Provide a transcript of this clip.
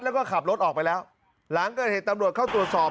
แล้วก็ขับรถออกไปแล้วหลังเกิดเหตุตำรวจเข้าตรวจสอบ